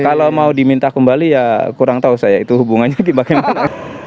kalau mau diminta kembali ya kurang tahu saya itu hubungannya bagaimana